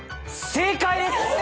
正解です！